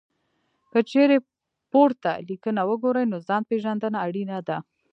که چېرې پورته لیکنه وګورئ، نو ځان پېژندنه اړینه ده.